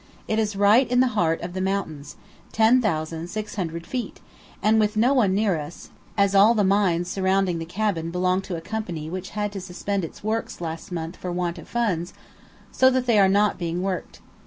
It is right in the heart of the mountains, 10,600 feet, and with no one near us, as all the mines surrounding the cabin belong to a company which had to suspend its works last month for want of funds, so that they are not being worked.